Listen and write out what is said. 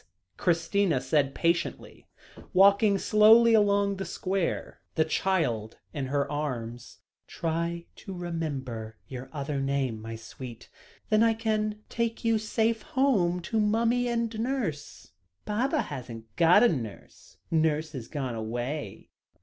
Christina said patiently, walking slowly along the square, the child in her arms. "Try to remember your other name, my sweet; then I can take you safe home to mummy and nurse." "Baba hasn't got no nurse, nurse's gone away.